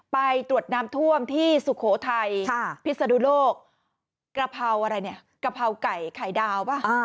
ไปตรวจน้ำท่วมที่สุโขทัยพิศนุโลกกระเพราอะไรเนี่ยกะเพราไก่ไข่ดาวป่ะ